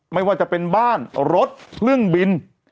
ไม่ว่าจะเป็นบ้านรถเครื่องบิน